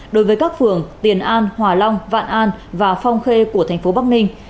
đối với các phường tiền an hòa long vạn an và phong khê của thành phố bắc ninh